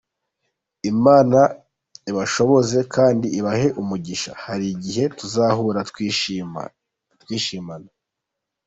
Imana ibashoboze kandi ibahe umugisha, hari igihe tuzahura twishimana.